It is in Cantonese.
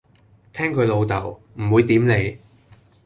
聽佢老竇，唔會點你